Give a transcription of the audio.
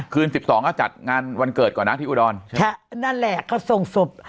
สิบสองก็จัดงานวันเกิดก่อนนะที่อุดรใช่นั่นแหละก็ส่งศพ